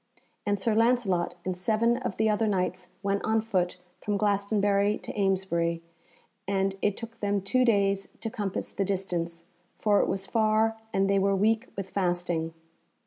And Sir Lancelot and seven of the other Knights went on foot from Glastonbury to Amesbury, and it took them two days to compass the distance, for it was far and they were weak with fasting.